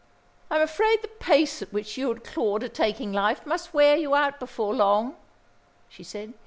"I'm afraid the pace at which you and Claude are taking life must wear you out before long," she said.